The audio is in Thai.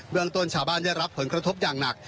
เมืองต้นชาวบ้านได้รับผลกระทบอย่างหนัก